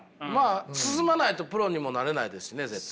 進まないとプロにもなれないですしね絶対。